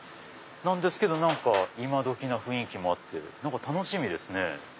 けど今どきな雰囲気もあって楽しみですね。